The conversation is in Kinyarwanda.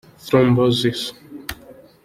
‘Thrombosis’.